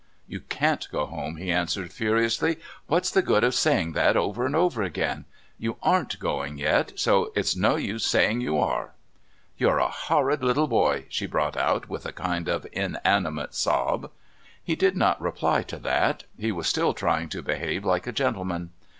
"You can't go home," he answered furiously. "What's the good of saying that over and over again? You aren't going yet, so it's no use saying you are." "You're a horrid little boy," she brought out with a kind of inanimate sob. He did not reply to that; he was still trying to behave like a gentleman.